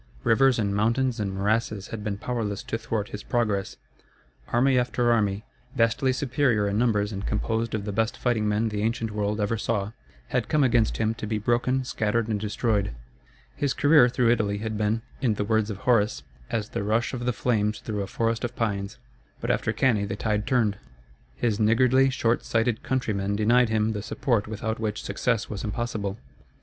Rivers and mountains and morasses had been powerless to thwart his progress. Army after army, vastly superior in numbers and composed of the best fighting men the ancient world ever saw, had come against him to be broken, scattered, and destroyed. His career through Italy had been, in the words of Horace, as the rush of the flames through a forest of pines. But after Cannæ the tide turned. His niggardly, short sighted countrymen denied him the support without which success was impossible.